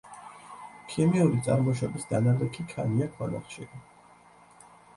ქიმიური წარმოშობის დანალექი ქანია ქვანახშირი.